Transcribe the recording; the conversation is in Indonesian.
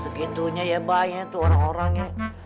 segitunya ya banyak tuh orang orangnya